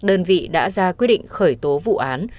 đơn vị đã ra quyết định khởi tố vụ án